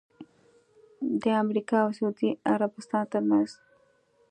د امریکا اوسعودي عربستان ترمنځ